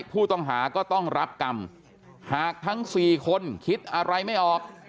ผู้ต้องหาก็ต้องรับกรรมหากทั้ง๔คนคิดอะไรไม่ออก